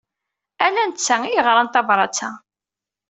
Ala netta ay yeɣran tabṛat-a.